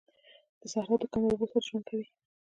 صحرا د کمو اوبو سره ژوند کوي